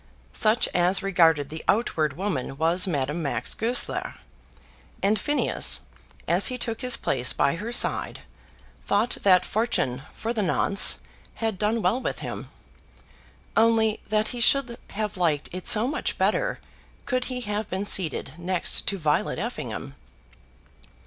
Such, as regarded the outward woman, was Madame Max Goesler; and Phineas, as he took his place by her side, thought that fortune for the nonce had done well with him, only that he should have liked it so much better could he have been seated next to Violet Effingham!